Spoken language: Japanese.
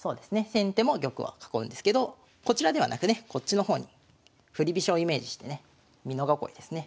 先手も玉は囲うんですけどこちらではなくねこっちの方に振り飛車をイメージしてね美濃囲いですね。